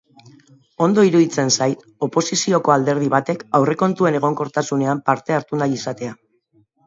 Ondo iruditzen zait oposizioko alderdi batek aurrekontuen egonkortasunean parte hartu nahi izatea.